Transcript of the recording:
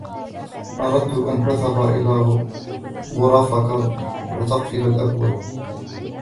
أردتُ أن تذهب إلي غُرَفَكَ وتَقفِل الأبواب.